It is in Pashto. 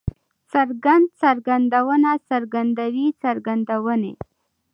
څرګند، څرګندونه، څرګندوی، څرګندونې